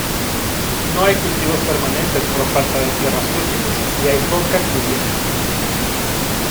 No hay cultivos permanentes por falta de tierras útiles y hay poca cubierta forestal.